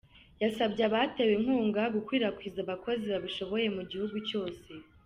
Yasabye abatewe inkunga gukwirakwiza abakozi babishoboye mu gihugu cyose.